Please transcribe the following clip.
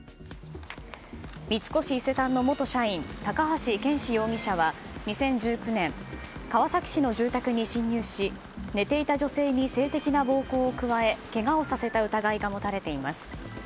三越伊勢丹の元社員高橋健志容疑者は２０１９年川崎市の住宅に侵入し寝ていた女性に性的な暴行を加え、けがをさせた疑いが持たれています。